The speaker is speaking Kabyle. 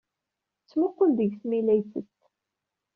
Tettmuqul deg-s mi la yettett.